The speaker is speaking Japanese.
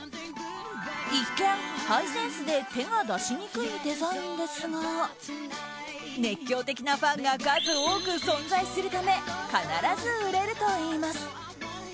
一見、ハイセンスで手が出しにくいデザインですが熱狂的なファンが数多く存在するため必ず売れるといいます。